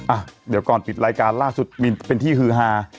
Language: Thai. อ่ะเดี๋ยวก่อนปิดรายการล่าสุดมีเป็นที่ฮือฮา